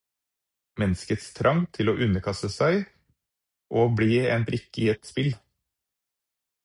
Menneskets trang til å underkaste seg og bli en brikke i et spill.